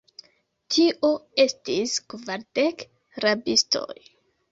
Tio estis kvardek rabistoj.